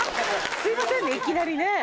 すいませんねいきなりね。